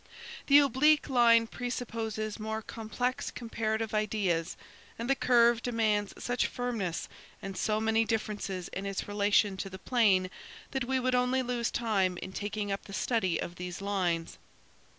"The oblique line presupposes more complex comparative ideas, and the curve demands such firmness and so many differences in its relation to the plane that we would only lose time in taking up the study of these lines.